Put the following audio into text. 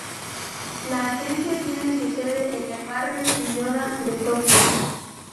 La agencia tiene su sede en el Barrio Chiyoda de Tokio.